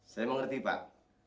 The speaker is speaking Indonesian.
saya mengerti pak